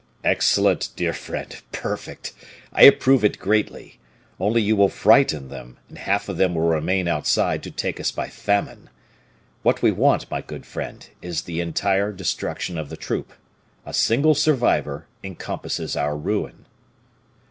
"Excellent, dear friend, perfect! I approve it greatly; only you will frighten them, and half of them will remain outside to take us by famine. What we want, my good friend, is the entire destruction of the troop. A single survivor encompasses our ruin."